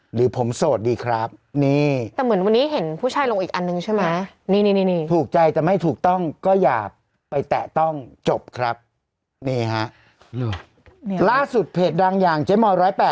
เหมือนเขาคุยกับแม่เมื่อเช้านะ